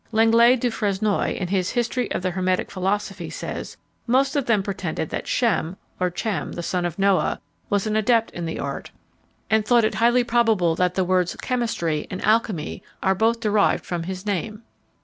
Lenglet du Fresnoy, in his History of the Hermetic Philosophy, says, "Most of them pretended that Shem, or Chem, the son of Noah, was an adept in the art, and thought it highly probable that the words chemistry and alchymy are both derived from his name."